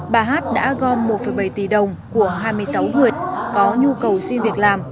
bà hát đã gom một bảy tỷ đồng của hai mươi sáu người có nhu cầu xin việc làm